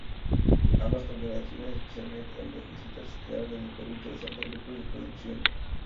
Ambas congregaciones, especialmente la de Jesuitas, crearon en el Perú interesantes núcleos de producción.